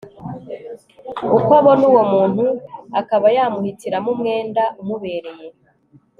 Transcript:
uko abona uwo muntu akaba yamuhitiramo umwenda umubereye